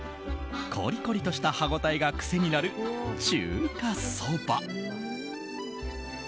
コリコリとした歯応えが癖になる中華そば。